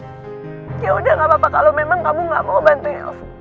yaudah gak apa apa kalau memang kamu gak mau bantuin